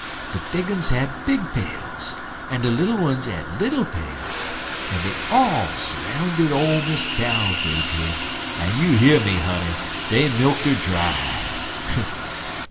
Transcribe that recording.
De big uns had big pails, en de little uns had little pails. En dey all s'roundid ole Miss Cow, dey did, en you hear me, honey, dey milk't 'er dry.